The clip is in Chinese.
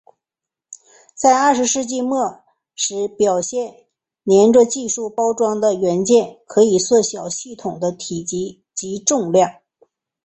在二十世纪末时表面黏着技术包装的元件可以缩小系统的体积及重量。